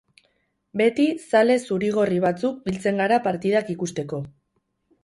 Beti zale zuri-gorri batzuk biltzen gara partidak ikusteko.